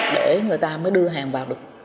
để người ta mới đưa hàng vào được